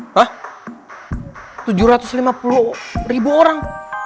wah tujuh ratus lima puluh ribu orang